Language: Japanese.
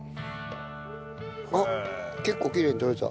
あっ結構きれいに取れた。